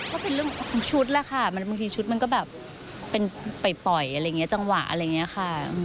ก็เป็นเรื่องของชุดแหละค่ะบางทีชุดมันก็แบบเป็นปล่อยอะไรอย่างนี้จังหวะอะไรอย่างนี้ค่ะ